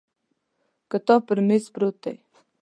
کتاب پر مېز پروت دی.